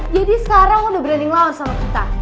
jadi sekarang lo udah berani ngelawan sama kita